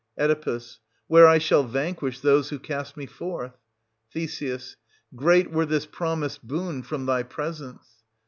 Oe. — where I shall vanquish those who cast me forth. Th. Great were this promised boon from thy presence.